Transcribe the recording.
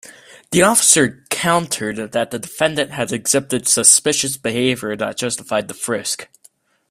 The officer countered that the defendant had exhibited suspicous behavior that justified the frisk.